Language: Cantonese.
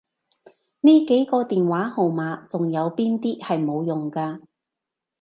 呢幾個電話號碼仲有邊啲係冇用嘅？